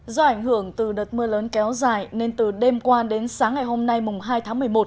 do ảnh hưởng từ đợt mưa lớn kéo dài nên từ đêm qua đến sáng ngày hôm nay hai tháng một mươi một